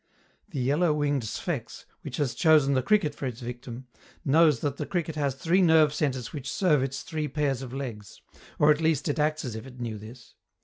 The yellow winged Sphex, which has chosen the cricket for its victim, knows that the cricket has three nerve centres which serve its three pairs of legs or at least it acts as if it knew this.